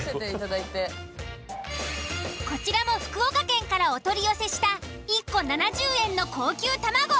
こちらも福岡県からお取り寄せした１個７０円の高級卵。